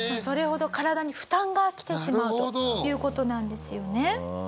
それほど体に負担がきてしまうという事なんですよね。